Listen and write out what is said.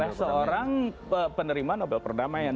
ya seorang penerima nobel perdamaian